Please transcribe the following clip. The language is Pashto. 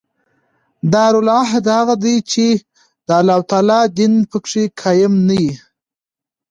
دارالعهد هغه دئ، چي د الله تعالی دین په کښي قایم نه يي.